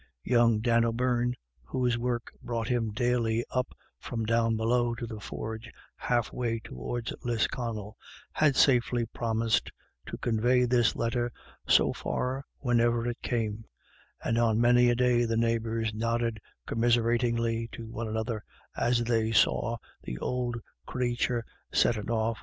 Young Dan O'Beirne, whose work brought him daily up from down below to the forge half way towards Lisconnel, had safely promised to convey this letter so far whenever it came ; and on many a day the neighbours nodded commiser atingly to one another as they saw " the ould era COMING AND GOING.